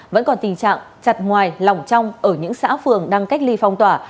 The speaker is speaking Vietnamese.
vẫn còn tình trạng chặt ngoài lỏng trong ở những xã phường đang cách ly phong tỏa